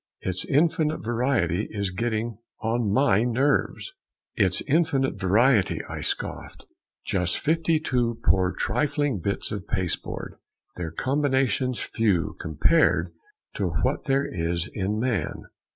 Its infinite variety is getting on my nerves." "Its infinite variety!" I scoffed. "Just fifty two Poor trifling bits of pasteboard! their combinations few Compared to what there is in man!